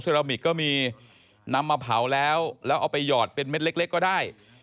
รามิกก็มีนำมาเผาแล้วแล้วเอาไปหยอดเป็นเม็ดเล็กก็ได้